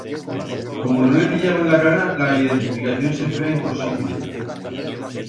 Como no le pillaban la cara, la identificación se feba imposiblle.